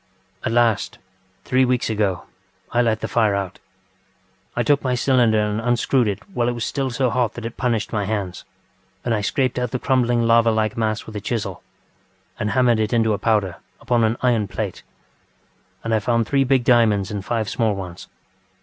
ŌĆ£At last, three weeks ago, I let the fire out. I took my cylinder and unscrewed it while it was still so hot that it punished my hands, and I scraped out the crumbling lava like mass with a chisel, and hammered it into a powder upon an iron plate. And I found three big diamonds and five small ones.